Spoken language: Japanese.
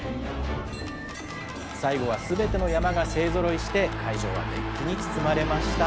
最後はすべての山が勢ぞろいして、会場は熱気に包まれました。